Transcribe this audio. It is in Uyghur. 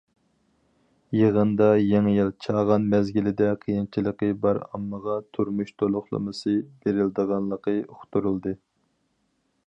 يىغىندا يېڭى يىل، چاغان مەزگىلىدە قىيىنچىلىقى بار ئاممىغا تۇرمۇش تولۇقلىمىسى بېرىلىدىغانلىقى ئۇقتۇرۇلدى.